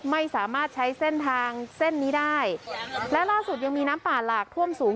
ไม่สามารถใช้เส้นทางเส้นนี้ได้และล่าสุดยังมีน้ำป่าหลากท่วมสูง